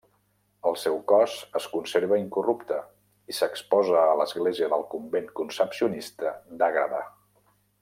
El seu cos es conserva incorrupte, i s'exposa a l'església del convent concepcionista d'Ágreda.